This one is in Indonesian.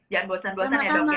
jangan bosan bosan ya dok ya